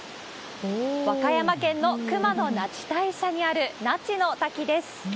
和歌山県の熊野那智大社にある、那智の滝です。